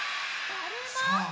だるま？